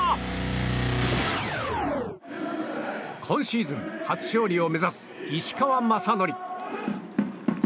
今シーズン初勝利を目指す石川雅規。